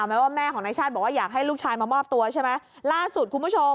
แม่ว่าแม่ของนายชาติบอกว่าอยากให้ลูกชายมามอบตัวใช่ไหมล่าสุดคุณผู้ชม